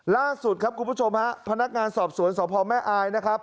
ล่าสุดครับคุณผู้ชมฮะพนักงานสอบสวนสพแม่อายนะครับ